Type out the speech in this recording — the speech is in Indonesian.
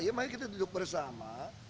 ya mari kita duduk bersama